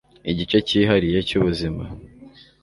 Igice cyihariye cyubuzima